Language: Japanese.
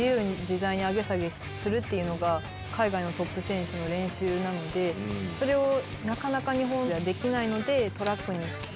するっていうのが海外のトップ選手の練習なのでそれをなかなか日本ではできないので。